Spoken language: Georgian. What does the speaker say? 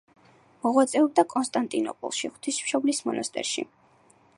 მოღვაწეობდა კონსტანტინოპოლში, ღვთისმშობლის მონასტერში.